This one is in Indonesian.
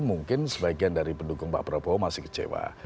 mungkin sebagian dari pendukung pak prabowo masih kecewa